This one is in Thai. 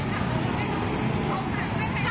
ก็ไม่มีคนเข้ามาไม่มีคนเข้ามา